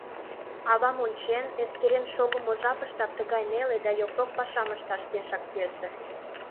«...Авам ончен, эскерен шогымо жапыштак тыгай неле да йокрок пашам ышташ пешак йӧсӧ.